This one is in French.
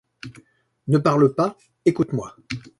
Ne parle pas, écoute-moi.